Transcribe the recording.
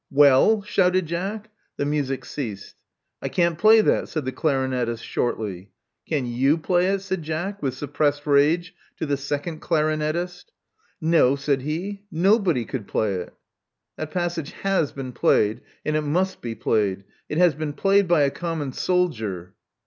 Well?" shouted Jack. The music ceased. *'I can't play that," said the clarinettist shortly. ''Csin you play it?" said Jack, with suppressed rage, to the second clarinettist. No," said he. Nobody could play it." That passage Aas been played; and it must be played. It has been played by a common soldier."